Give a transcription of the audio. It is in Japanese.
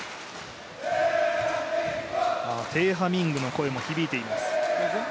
テーハミングの声も響いています。